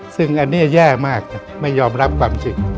ซึ่งอันนี้แย่มากไม่ยอมรับความจริง